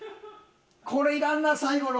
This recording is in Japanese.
これいらんな最後の。